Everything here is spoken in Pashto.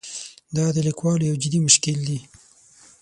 دا د لیکوالو یو جدي مشکل دی.